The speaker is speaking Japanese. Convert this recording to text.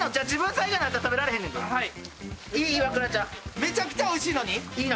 めちゃくちゃおいしいのに、いいの？